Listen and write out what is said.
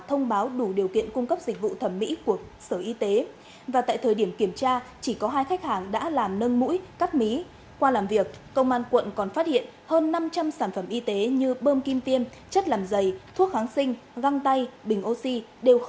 thông báo đủ điều kiện cung cấp dịch vụ